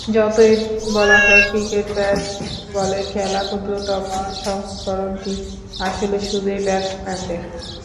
যতই বলা হোক, ক্রিকেট ব্যাট-বলের খেলা, ক্ষুদ্রতম সংস্করণটি আসলে শুধুই ব্যাটসম্যানদের।